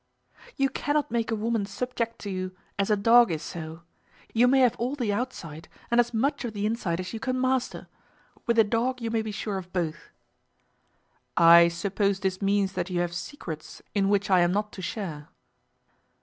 "You cannot make a woman subject to you as a dog is so. You may have all the outside and as much of the inside as you can master. With a dog you may be sure of both." "I suppose this means that you have secrets in which I am not to share."